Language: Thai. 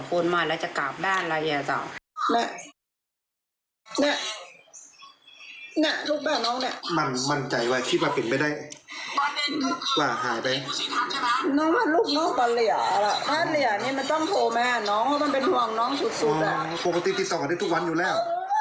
ปกติติดต่อกันได้ทุกวันอยู่แล้ว